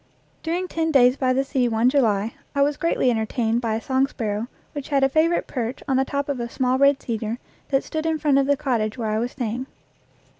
During ten days by the sea one July I was greatly entertained by a song sparrow which had a favorite perch on the top of a small red cedar that stood in front of the cottage where I was staying.